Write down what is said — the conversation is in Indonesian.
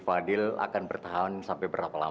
fadil akan bertahan sampai berapa lama